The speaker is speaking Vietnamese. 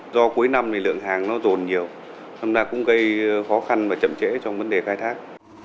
do cuối năm lượng hàng rồn nhiều xong ra cũng gây khó khăn và chậm trễ trong vấn đề khai thác